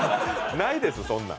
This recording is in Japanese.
ないです、そんなん。